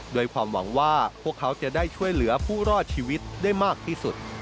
ด้วยความหวังว่าพวกเขาจะได้ช่วยเหลือผู้รอดชีวิตได้มากที่สุด